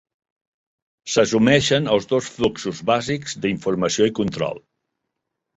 S'assumeixen els dos fluxos bàsics d'informació i control.